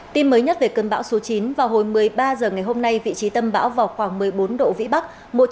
tin mới nhất về cơn bão số chín vào hồi một mươi ba h ngày hôm nay vị trí tâm bão vào khoảng một mươi bốn độ vĩ bắc